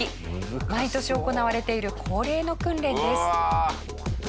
毎年行われている恒例の訓練です。